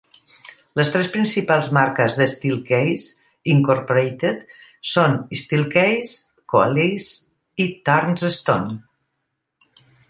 Les tres principals marques d'Steelcase Incorporated són Steelcase, Coalesse i turnstone.